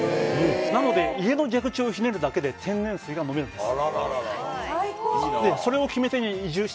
なので、家の蛇口をひねるだけで天然水が飲めるんです。